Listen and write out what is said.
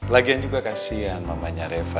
lagian juga kasian mamanya reva